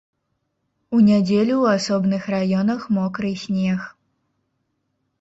У нядзелю ў асобных раёнах мокры снег.